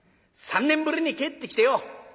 ３年ぶりに帰ってきてよ